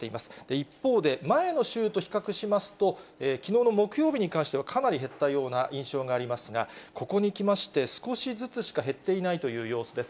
一方で前の週と比較しますと、きのうの木曜日に関しては、かなり減ったような印象がありますが、ここにきまして、少しずつしか減っていないという様子です。